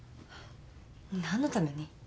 何のために？